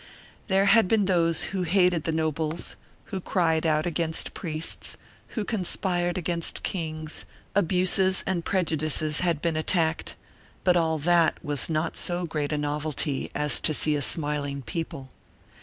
There had been those who hated the nobles, who cried out against priests, who conspired against kings; abuses and prejudices had been attacked; but all that was not so great a novelty as to see a smiling people.